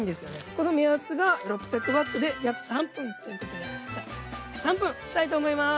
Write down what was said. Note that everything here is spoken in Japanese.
この目安が６００ワットで約３分という事でじゃあ３分したいと思います。